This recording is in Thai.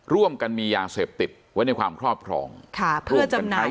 ร่วมกันมียาเสพติดไว้ในความครอบครองค่ะเพื่อจำหน่าย